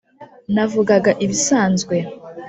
navugaga ibisanzwe